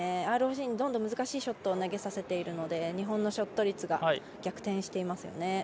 ＲＯＣにどんどん難しいショットを投げさせているので日本のショット率が逆転していますよね。